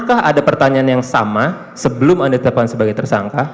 apakah ada pertanyaan yang sama sebelum anda tetapkan sebagai tersangka